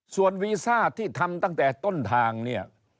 ส่วนวีซ่าที่ทำตั้งแต่ต้นทางเนี่ย